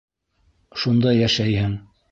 Шунда йәшәйһең.